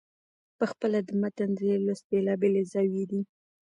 پخپله د متن د دې لوست بېلابېلې زاويې دي.